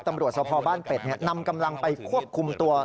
ตำรวจสภบ้านเป็ดนำกำลังไปควบคุมตัว